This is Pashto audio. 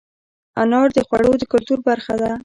انار د خوړو د کلتور برخه ده.